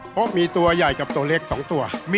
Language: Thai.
เพราะมีตัวใหญ่กับตัวเล็ก๒ตัว